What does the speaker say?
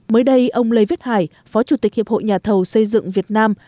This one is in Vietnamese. mới đây ông lê viết hải phó chủ tịch hiệp hội nhà thầu xây dựng việt nam